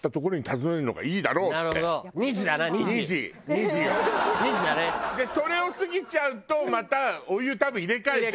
それを過ぎちゃうとまたお湯多分入れ替えちゃうから。